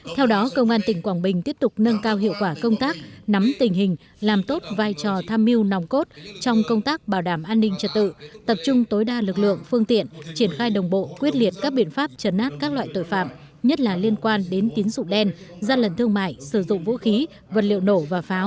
theo đó công an tỉnh quảng bình tiếp tục nâng cao hiệu quả công tác nắm tình hình làm tốt vai trò tham mưu nòng cốt trong công tác bảo đảm an ninh trật tự tập trung tối đa lực lượng phương tiện triển khai đồng bộ quyết liệt các biện pháp chấn áp các loại tội phạm nhất là liên quan đến tín dụng đen gian lận thương mại sử dụng vũ khí vật liệu nổ và pháo